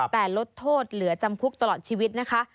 แต่ลดโทษเหลือจำคุกตลอดชีวิตนะคะ